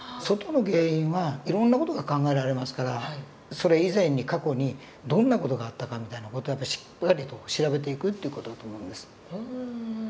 外の原因はいろんな事が考えられますからそれ以前に過去にどんな事があったかみたいな事をしっかりと調べていくという事だと思うんです。